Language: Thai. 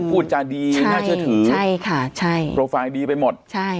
พูดจาดีน่าเชื่อถือใช่ค่ะใช่โปรไฟล์ดีไปหมดใช่